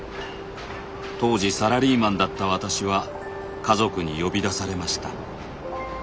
当時サラリーマンだった私は家族に呼び出されました。